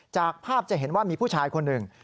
จากภาพจะเห็นว่ามีผู้ชายคนหนึ่ง